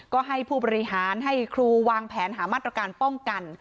ก็ให้ผู้บริหารให้ครูวางแผนหามาตรการป้องกัน